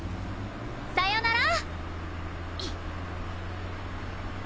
さよなら！